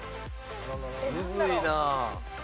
むずいな。